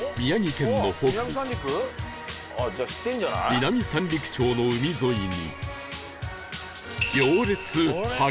南三陸町の海沿いに